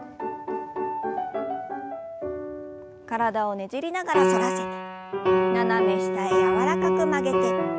体をねじりながら反らせて斜め下へ柔らかく曲げて。